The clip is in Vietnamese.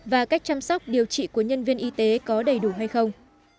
và cách chăm sóc điều trị của nhân viên y tế có đầy đủ hay không